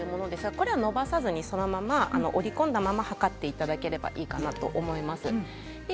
これはのばさずに折り込んだまま測っていただければいいかなと思います。